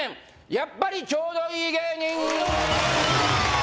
やっぱりちょうどいい芸人